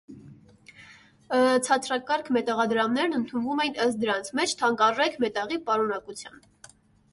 Ցածրակարգ մետաղադրամներն ընդունվում էին ըստ դրանց մեջ թանկարժեք մետաղի պարունակության։